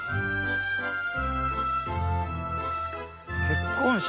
結婚式？